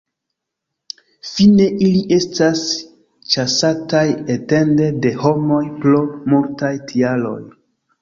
Fine ili estas ĉasataj etende de homoj pro multaj tialoj.